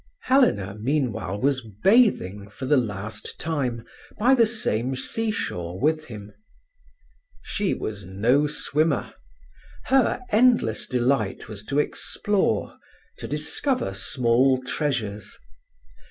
Helena, meanwhile, was bathing, for the last time, by the same sea shore with him. She was no swimmer. Her endless delight was to explore, to discover small treasures.